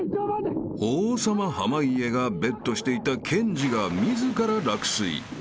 ［王様濱家がベットしていた健司が自ら落水］